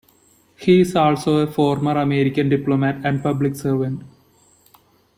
He is also a former American diplomat and public servant.